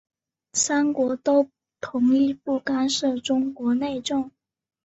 三国都同意不干涉中国内政。